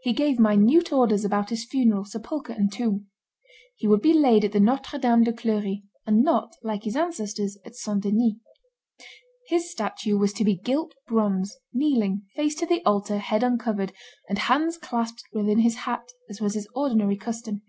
He gave minute orders about his funeral, sepulchre, and tomb. He would be laid at Notre Dame de Clery, and not, like his ancestors, at St. Denis; his statue was to be gilt bronze, kneeling, face to the altar, head uncovered, and hands clasped within his hat, as was his ordinary custom.